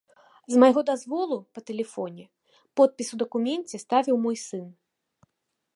З майго дазволу па тэлефоне подпіс у дакуменце ставіў мой сын.